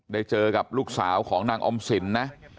ได้เจอกับลูกสาวของนางออมสินนะ